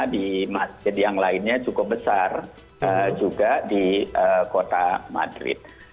di masjid yang lainnya cukup besar juga di kota madrid